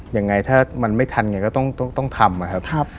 อย่างไรถ้ามันไม่ทันอย่างไรก็ต้องทำ